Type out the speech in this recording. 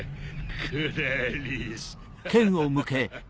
クラリス。